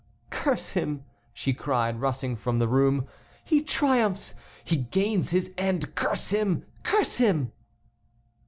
"Curse him!" she cried, rushing from the room, "he triumphs, he gains his end; curse him! curse him!"